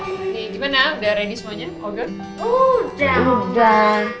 gimana udah ready semuanya udah